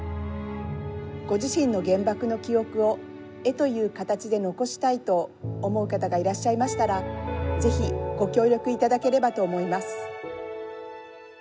ご自身の原爆の記憶を絵という形で残したいと思う方がいらっしゃいましたらぜひご協力いただければと思います。